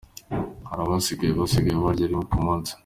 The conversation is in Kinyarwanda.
Hari abasigaye basigaye barya rimwe ku munsi.